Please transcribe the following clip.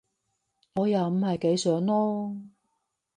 我又唔係幾想囉